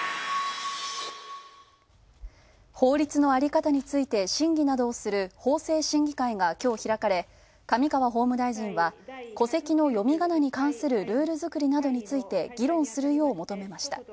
法律の在り方について審議などをする法制審議会がきょう開かれ上川法務大臣は、戸籍の読みがなに関するルール作りなどについて議論するよう求めました。